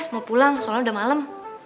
mau pulang soalnya udah malam